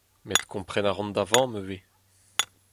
Met kompren a ran da vamm ivez.